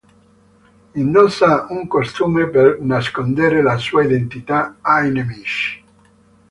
Indossa un costume per nascondere la sua identità ai nemici.